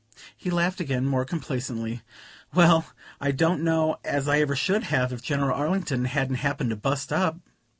He laughed again, more complacently. "Well, I don't know as I ever should have, if General Arlington hadn't happened to bust up."